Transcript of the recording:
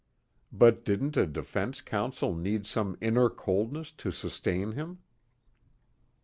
But didn't a defense counsel need some inner coldness to sustain him?